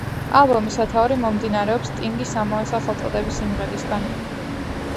ალბომის სათაური მომდინარეობს სტინგის ამავე სახელწოდების სიმღერისგან.